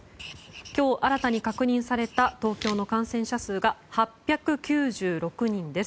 今日新たに確認された東京の感染者数が８９６人です。